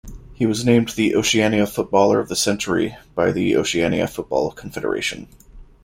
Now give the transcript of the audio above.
He was named the Oceania Footballer of the Century by the Oceania Football Confederation.